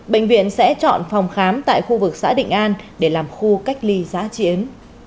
bệnh viện sẽ chọn phòng khám tại khu vực xã định an để làm khu cách ly giã chiến